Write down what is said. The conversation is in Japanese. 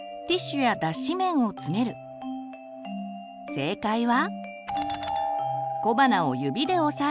正解は。